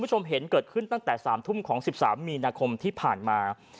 คุณผู้ชมเห็นเกิดขึ้นตั้งแต่๓ทุ่มของ๑๓มีนาคมที่ผ่านมา